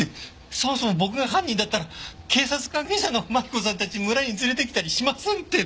そもそも僕が犯人だったら警察関係者のマリコさんたち村に連れてきたりしませんってば。